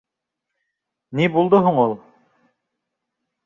Ни булды һуң ул?